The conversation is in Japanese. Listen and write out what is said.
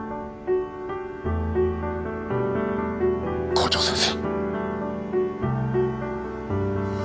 校長先生。